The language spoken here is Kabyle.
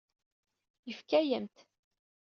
Yefka-yam-t.